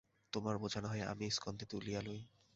তোমার বোঝা না হয় আমিই স্কন্ধে তুলিয়া লই।